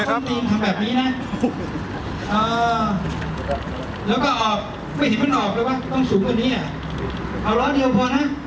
อันนี้เป็นการสาธิตที่ขโมยนะครับ